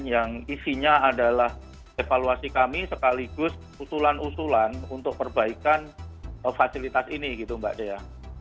yang isinya adalah evaluasi kami sekaligus usulan usulan untuk perbaikan fasilitas ini gitu mbak dea